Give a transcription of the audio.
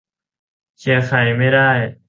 เชียร์ใครไม่ได้